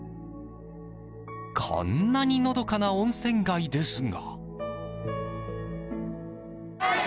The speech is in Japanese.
こんなにのどかな温泉街ですが。